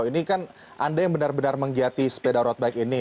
ini kan anda yang benar benar menggiati sepeda road bike ini